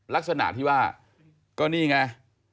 ลักษณะที่ว่าก็นี่ไง